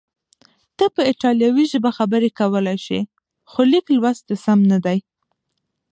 ته په ایټالوي ژبه خبرې کولای شې، خو لیک لوست دې سم نه دی.